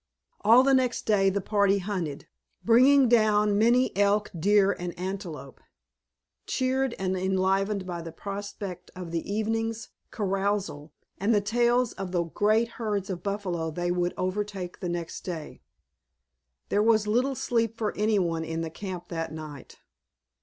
All the next day the party hunted, bringing down many elk, deer, and antelope, cheered and enlivened by the prospect of the evening's carousal and the tales of the great herds of buffalo they would overtake the next day. There was little sleep for any one in the camp that night.